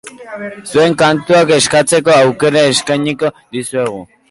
Zuen kantuak eskatzeko auerka eskainiko dizuegu.